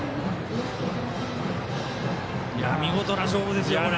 見事な勝負ですよ、これ。